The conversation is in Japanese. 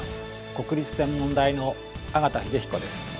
国立天文台の縣秀彦です。